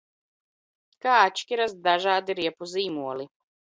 Kā atšķiras dažādi riepu zīmoli?